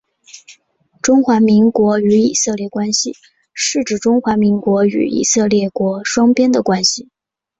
中华民国与以色列关系是指中华民国与以色列国双边的关系。